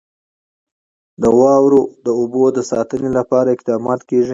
د واورو د اوبو د ساتنې لپاره اقدامات کېږي.